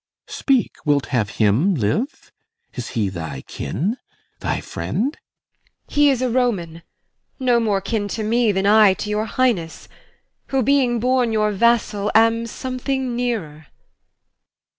Speak, Wilt have him live? Is he thy kin? thy friend? IMOGEN. He is a Roman, no more kin to me Than I to your Highness; who, being born your vassal, Am something nearer.